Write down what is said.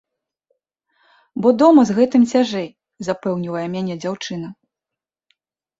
Бо дома з гэтым цяжэй, запэўнівае мяне дзяўчына.